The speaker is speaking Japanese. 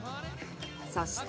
そして。